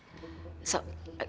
ibu ini lupa sama saya